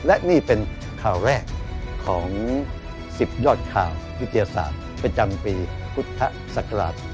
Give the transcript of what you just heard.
และนี่เป็นข่าวแรกของ๑๐ยอดข่าววิทยาศาสตร์ประจำปีพุทธศักราช๒๕